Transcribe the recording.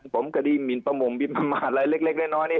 ผมขะดี้มีเปมมแบบมากอะไรเล็กน้อยเนี่ย